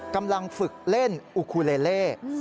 กำลังฝึกเล่นอุคูเลเล่